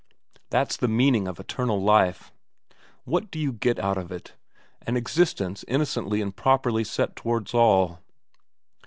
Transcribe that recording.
That's the meaning of eternal life. What do you get out of it? An existence innocently and properly set towards all.